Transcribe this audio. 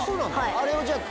あれをじゃあ。